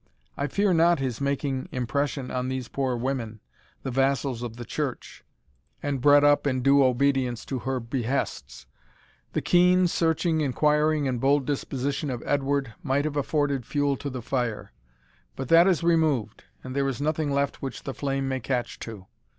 I fear not his making impression on these poor women, the vassals of the Church, and bred up in due obedience to her behests. The keen, searching, inquiring, and bold disposition of Edward, might have afforded fuel to the fire; but that is removed, and there is nothing left which the flame may catch to.